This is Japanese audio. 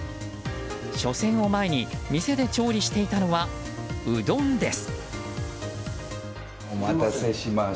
初戦を前に店で調理していたのはうどんです。